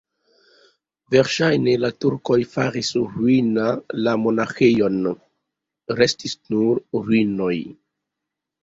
Verŝajne la turkoj faris ruina la monaĥejon, restis nur ruinoj.